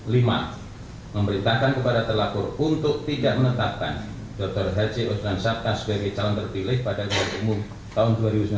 lima memberitakan kepada terlaku untuk tidak menetapkan dr h c utran sabta sebagai calon terpilih pada kembali umum tahun dua ribu sembilan belas